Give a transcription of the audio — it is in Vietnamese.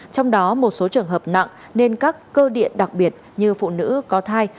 trong đó một số trường hợp nặng nên các cơ điện đặc biệt như phụ nữ có thai